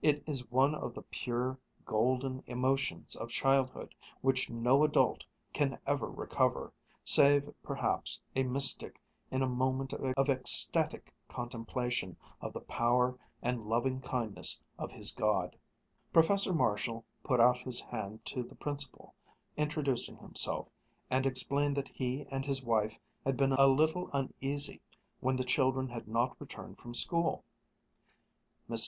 It is one of the pure golden emotions of childhood, which no adult can ever recover, save perhaps a mystic in a moment of ecstatic contemplation of the power and loving kindness of his God. Professor Marshall put out his hand to the Principal, introducing himself, and explained that he and his wife had been a little uneasy when the children had not returned from school. Mr.